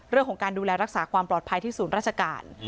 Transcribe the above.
เรื่องของการดูแลรักษาความปลอดภัยที่ศูนย์ราชการ